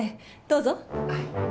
どうぞ。